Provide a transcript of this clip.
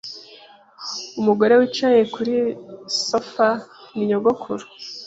Umugore wicaye kuri sofa ni nyogokuru.